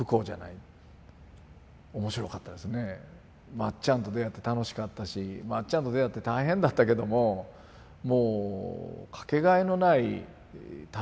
まっちゃんと出会って楽しかったしまっちゃんと出会って大変だったけどももう掛けがえのない体験をしたですね。